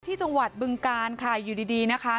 ที่จังหวัดบึงการค่ะอยู่ดีนะคะ